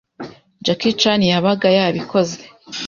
Jackie Chan yabaga yabikoze